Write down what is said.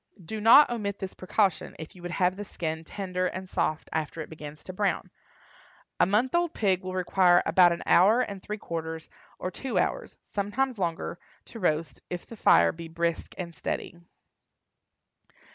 Do not omit this precaution if you would have the skin tender and soft after it begins to brown. A month old pig will require about an hour and three quarters or two hours—sometimes longer—to roast, if the fire be brisk and steady.